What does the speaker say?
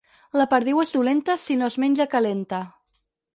La perdiu és dolenta si no es menja calenta.